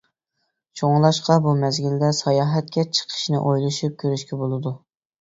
شۇڭلاشقا بۇ مەزگىلدە ساياھەتكە چىقىشنى ئويلىشىپ كۆرۈشكە بولىدۇ.